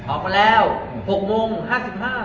ออกมาแล้วตอน๖โมง๕๕ประกาศ